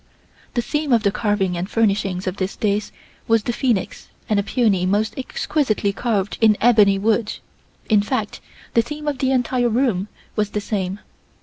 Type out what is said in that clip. The theme of the carving and furnishings of this dais was the phoenix and peony most exquisitely carved in ebony wood, in fact the theme of the entire room was the same.